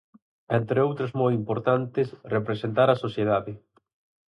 Entre outras moi importantes, representar á sociedade.